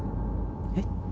えっ？